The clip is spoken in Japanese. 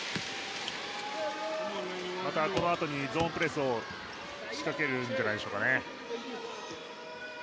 このあとにゾーンプレスを仕掛けるんじゃないでしょうか。